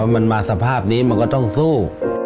มันมาสภาพนี้มันก็ต้องสู้